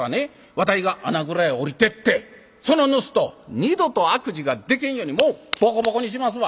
わたいが穴蔵へ下りてってその盗人を二度と悪事がでけんようにもうボコボコにしますわ。